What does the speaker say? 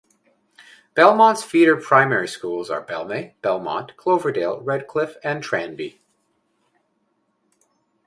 Belmont's feeder primary schools are Belmay, Belmont, Cloverdale, Redcliffe and Tranby.